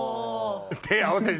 手合わせて。